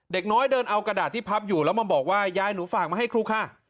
เด็กน้อยเดินเอากระดาษที่พับอยู่แล้วมาบอกว่ายายหนูฝากมาให้ครูค่ะ